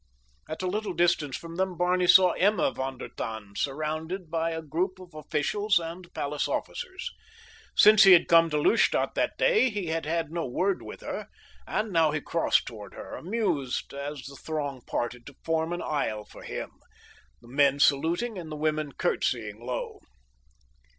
At a little distance from them Barney saw Emma von der Tann surrounded by a group of officials and palace officers. Since he had come to Lustadt that day he had had no word with her, and now he crossed toward her, amused as the throng parted to form an aisle for him, the men saluting and the women curtsying low.